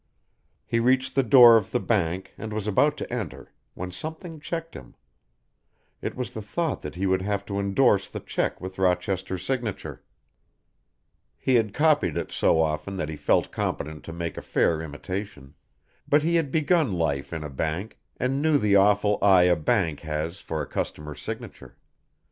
He reached the door of the bank and was about to enter, when something checked him. It was the thought that he would have to endorse the cheque with Rochester's signature. He had copied it so often that he felt competent to make a fair imitation, but he had begun life in a bank and he knew the awful eye a bank has for a customer's signature.